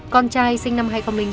con trai sinh năm hai nghìn ba